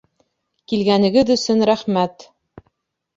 Килгәнегеҙ өсөн рәхмәт!